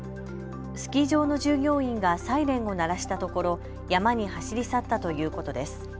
スキー場の従業員がサイレンを鳴らしたところ、山に走り去ったということです。